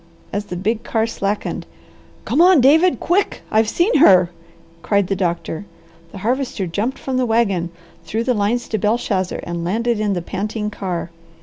As the big car slackened, "Come on David, quick! I've seen her!" cried the doctor. The Harvester jumped from the wagon, threw the lines to Belshazzar, and landed in the panting car.